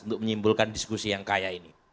untuk menyimpulkan diskusi yang kaya ini